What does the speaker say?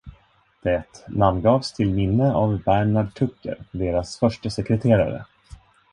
Det namngavs till minne av Bernard Tucker, deras förstesekreterare.